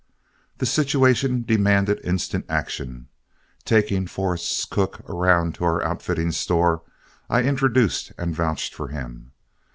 The situation demanded instant action. Taking Forrest's cook around to our outfitting store, I introduced and vouched for him.